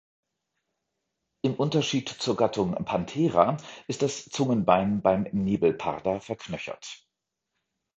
Im Unterschied zur Gattung "Panthera" ist das Zungenbein beim Nebelparder verknöchert.